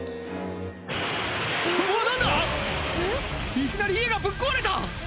いきなり家がぶっ壊れた！